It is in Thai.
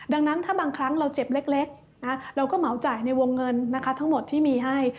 ดังนั้นถ้าบางครั้งเราเจ็บเล็กเราก็เหมาจ่ายในวงเงินนะคะทั้งหมดที่มีให้